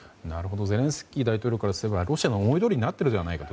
ゼレンスキー大統領からすればロシアの思いどおりになっているではないかと。